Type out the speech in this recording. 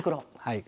はい。